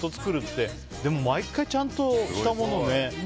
でも、毎回ちゃんとしたものをね。